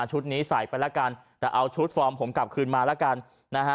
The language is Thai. ชุดนี้ใส่ไปแล้วกันแต่เอาชุดฟอร์มผมกลับคืนมาแล้วกันนะฮะ